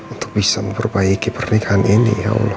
untuk bisa memperbaiki pernikahan ini ya allah